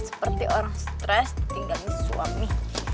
seperti orang stres tinggal suami